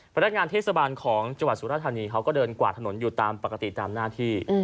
พนักงานเทศบาลของจังหวัดสุรธานีเขาก็เดินกวาดถนนอยู่ตามปกติตามหน้าที่